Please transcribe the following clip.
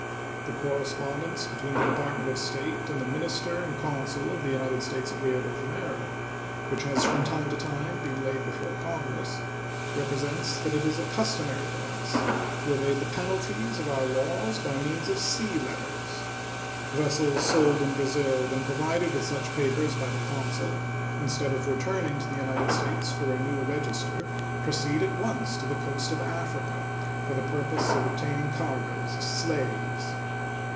The correspondence between the Department of State and the minister and consul of the United States at Rio de Janeiro, which has from time to time been laid before Congress, represents that it is a customary device to evade the penalties of our laws by means of sea letters. Vessels sold in Brazil, when provided with such papers by the consul, instead of returning to the United States for a new register proceed at once to the coast of Africa for the purpose of obtaining cargoes of slaves.